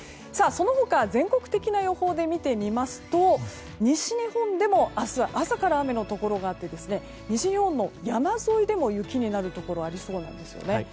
その他、全国的な予報で見てみますと西日本でも明日朝から雨のところがあって西日本の山沿いでも雪になるところがありそうです。